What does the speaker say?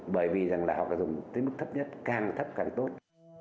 bởi vì rằng là họ cần dùng tới mức thấp nhất càng thấp càng tốt